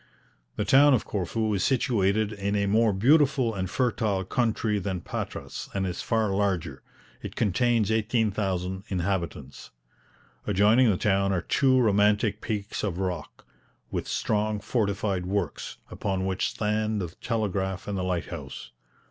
The town of Corfu is situated in a more beautiful and fertile country than Patras, and is far larger. It contains 18,000 inhabitants. Adjoining the town are two romantic peaks of rock, with strong fortified works, upon which stand the telegraph and the lighthouse.